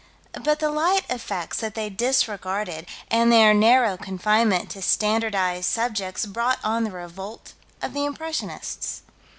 But the light effects that they disregarded, and their narrow confinement to standardized subjects brought on the revolt of the Impressionists.